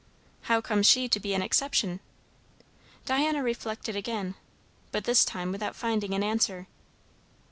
"How comes she to be an exception?" Diana reflected again, but this time without finding an answer.